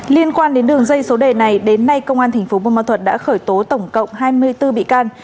liên quan đến đường dây số đề này đến nay công an thành phố buôn ma thuật đã khởi tố tổng cộng hai mươi bốn bị can